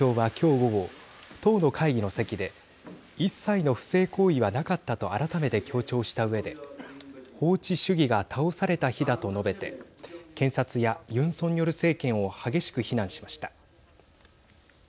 午後党の会議の席で一切の不正行為はなかったと改めて強調したうえで法治主義が倒された日だと述べて検察やユン・ソンニョル政権を激しく非難しました。